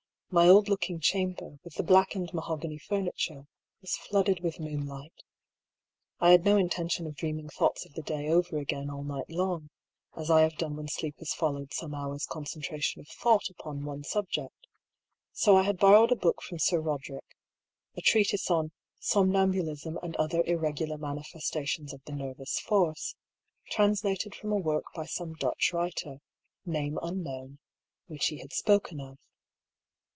My old looking chamber, with the blackened mahogany furni ture, was flooded with moonlight. I had no intention of dreaming thoughts of the day over again all night long, as I have done when sleep has followed some hours' concentration of thought on one subject; so I had borrowed a book from Sir Roderick — a treatise on " Somnambulism and other irregular manifestations of the Nervous Force," translated from a work by some Dutch writer, name unknown, which he had spoken of.